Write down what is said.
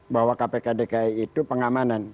bahwa kpk dki itu pengamanan